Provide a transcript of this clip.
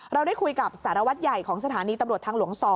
เราได้คุยกับสารวัตรใหญ่ของสถานีตำรวจทางหลวง๒